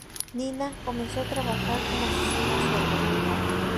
Nina comenzó a trabajar como asesina a sueldo.